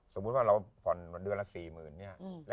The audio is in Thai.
สมมุติว่าเราผ่อนเดือนละ๔๐๐๐เนี่ย